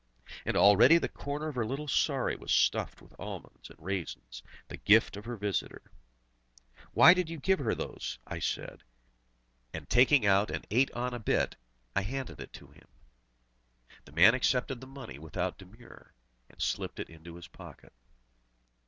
And already the corner of her little sari was stuffed with almonds and raisins, the gift of her visitor, "Why did you give her those?" I said, and taking out an eight anna bit, I handed it to him. The man accepted the money without demur, and slipped it into his pocket.